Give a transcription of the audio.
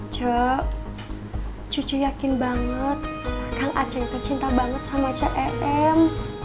ce cucu yakin banget kang aceng teh cinta banget sama ce em